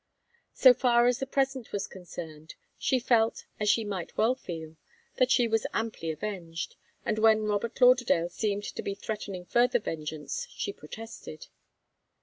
So far as the present was concerned, she felt, as she might well feel, that she was amply avenged, and when Robert Lauderdale seemed to be threatening further vengeance, she protested.